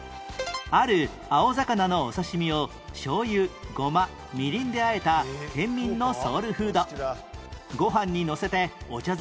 ある青魚のお刺し身をしょうゆごまみりんで和えた県民のソウルフード